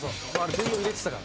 牛乳入れてたから。